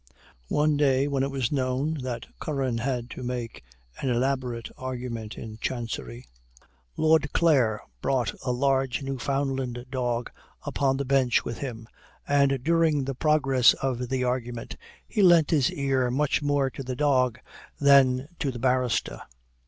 One day when it was known that Curran had to make an elaborate argument in Chancery, Lord Clare brought a large Newfoundland dog upon the bench with him, and during the progress of the argument he lent his ear much more to the dog than to the barrister.